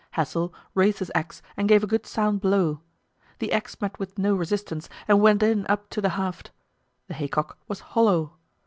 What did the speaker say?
Hassel raised his axe and gave a good sound blow; the axe met with no resistance, and went in up to the haft. The haycock was hollow.